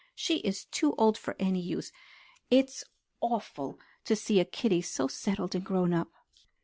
She is too old for any use. It's awful to see a kiddie so settled and grown up."